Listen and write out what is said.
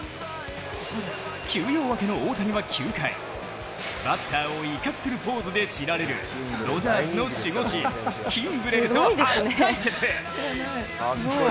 休養明けの大谷は９回バッターを威嚇するポーズで知られるドジャースの守護神キンブレルと初対決。